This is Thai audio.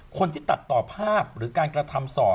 คนที่ตัดต่อภาพหรือการกระทำส่อ